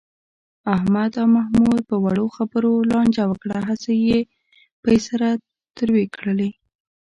احمد او محمود په وړو خبرو لانجه وکړه. هسې یې پۍ سره تروې کړلې.